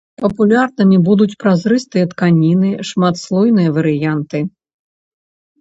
Папулярнымі будуць празрыстыя тканіны, шматслойныя варыянты.